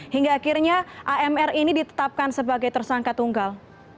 hingga akhirnya amr ini ditetapkan sebagai tersangka tunggal